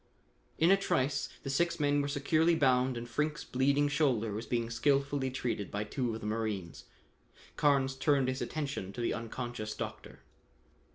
In a trice the six men were securely bound and Frink's bleeding shoulder was being skilfully treated by two of the marines. Carnes turned his attention to the unconscious doctor.